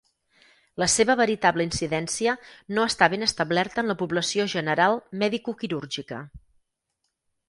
La seva veritable incidència no està ben establerta en la població general medicoquirúrgica.